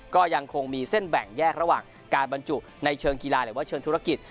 ก็ยังคงมีเส้นแบ่งแยกระหว่างการบรรจุในเชิงกีฬาหรือว่าเชิงธุรกิจ